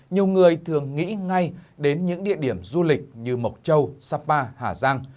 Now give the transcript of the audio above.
nhiều người thường nghĩ ngay đến những địa điểm du lịch như mộc châu sapa hà giang